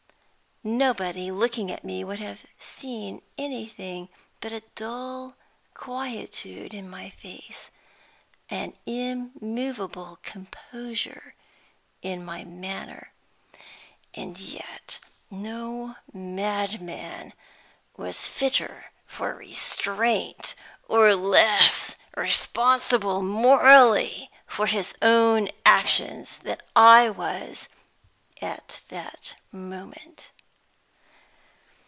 Nobody, looking at me, would have seen anything but a dull quietude in my face, an immovable composure in my manner. And yet no madman was fitter for restraint, or less responsible morally for his own actions, than I was at that moment.